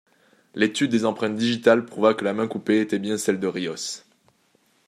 L'étude des empreintes digitales prouva que la main coupée était bien celle de Ríos.